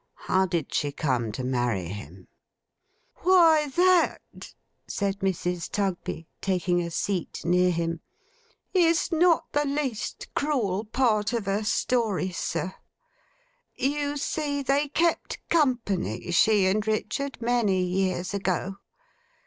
How did she come to marry him?' 'Why that,' said Mrs. Tugby, taking a seat near him, 'is not the least cruel part of her story, sir. You see they kept company, she and Richard, many years ago.